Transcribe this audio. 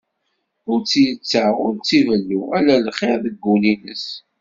Ur tt-yettaɣ, ur tt-ibellu, ala lxir deg wul-ines.